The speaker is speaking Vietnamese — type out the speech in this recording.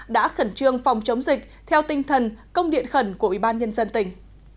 đã khẩn trương phòng chống dịch theo tinh thần công điện khẩn của ubnd tỉnh